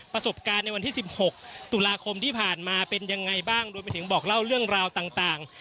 ประสบการณ์ในวันที่๑๖ตุลาคมที่ผ่านมาเป็นยังไงบ้างรวมไปถึงบอกเล่าเรื่องราวต่าง